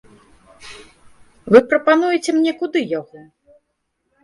Вы прапануеце мне куды яго?